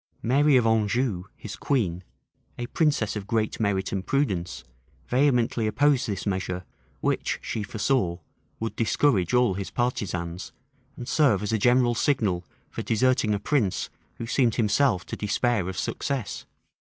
Mary of Anjou, his queen, a princess of great merit and prudence, vehemently opposed this measure, which, she foresaw, would discourage all his partisans, and serve as a general signal for deserting a prince who seemed himself to despair of success.